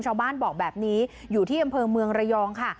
ชาวบ้านบอกแบบนี้อยู่ที่อำเภอเมืองระยองค่ะ